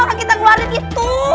maka kita keluarin gitu